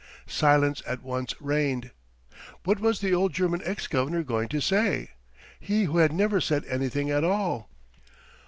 Silence at once reigned. What was the old German ex Governor going to say he who had never said anything at all?